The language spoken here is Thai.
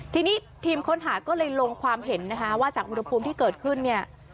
ทีนี้ทีมค้นหาก็เลยลงความเห็นนะคะว่าจากอุณหภูมิที่เกิดขึ้นเนี่ย